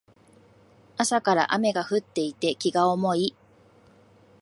朝から雨が降っていて気が重い